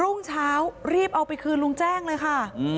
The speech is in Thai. รุ่งเช้ารีบเอาไปคืนลุงแจ้งเลยค่ะ